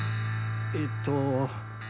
えっと。